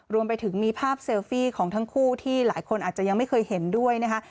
รวมไปถึงมีภาพเซลฟี่ของทั้งคู่ที่หลายคนอาจจะยังไม่เคยเห็นด้วยนะคะ